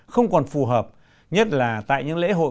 không còn phù hợp nhất là tại những lễ hội